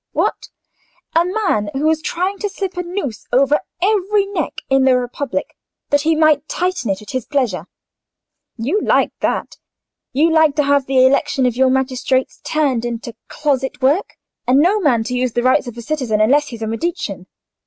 What! a man who was trying to slip a noose over every neck in the Republic that he might tighten it at his pleasure! You like that; you like to have the election of your magistrates turned into closet work, and no man to use the rights of a citizen unless he is a Medicean.